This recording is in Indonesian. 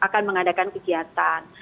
dan mengadakan kegiatan